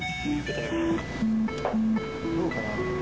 どうかな？